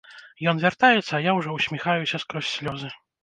Ён вяртаецца, а я ўжо ўсміхаюся скрозь слёзы.